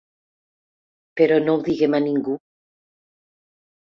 Però no ho diguem a ningú.